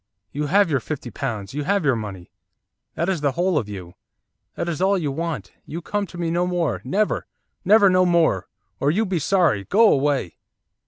You have your fifty pounds, you have your money, that is the whole of you, that is all you want! You come to me no more! never! never no more! or you be sorry! Go away!"